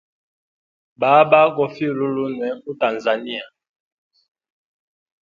Baba gofiya lolulunwe mu tanzania.